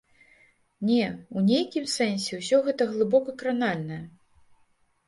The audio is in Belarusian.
Не, у нейкім сэнсе ўсё гэта глыбока кранальнае.